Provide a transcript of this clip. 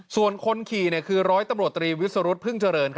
ส่วนคนขี่คือร้อยตำรวจตรีวิสรุธพึ่งเจริญ